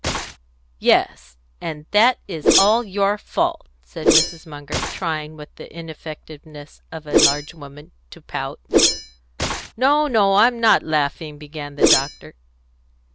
"Yes; and that is all your fault," said Mrs. Munger, trying, with the ineffectiveness of a large woman, to pout. "No, no, I'm not laughing." began the doctor.